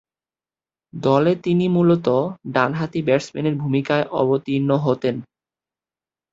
দলে তিনি মূলতঃ ডানহাতি ব্যাটসম্যানের ভূমিকায় অবতীর্ণ হতেন।